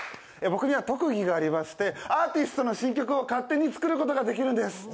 僕には特技がありまして、アーティストの新曲を勝手に作ることができるんです。